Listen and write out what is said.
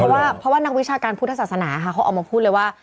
เพราะว่านักวิชาการพุทธศาสนาเขาออกมาพูดเลยว่า